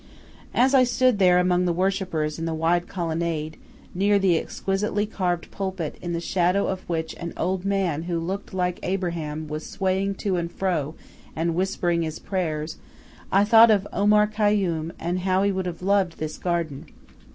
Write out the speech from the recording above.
As I stood there among the worshippers in the wide colonnade, near the exquisitely carved pulpit in the shadow of which an old man who looked like Abraham was swaying to and fro and whispering his prayers, I thought of Omar Khayyam and how he would have loved this garden.